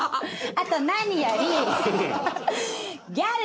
あと何よりギャルなとこ。